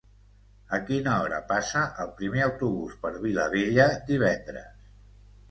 A quina hora passa el primer autobús per Vilabella divendres?